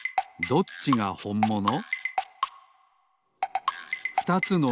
どっちがほんもの？